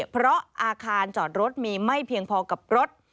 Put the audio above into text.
เพราะอาคารจอดรถมีไม่เพียงพอกับรถ